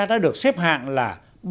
đã được xếp hạng là